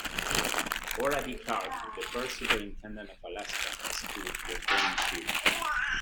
Orah Dee Clark, the first superintendent of Alaska schools, was born in Firth.